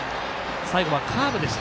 最後はカーブでした。